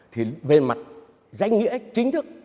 thì về mặt danh nghĩa chính thức